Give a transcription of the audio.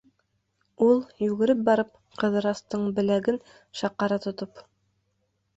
Ул, йүгереп барып, Ҡыҙырастың беләген шаҡара тотоп: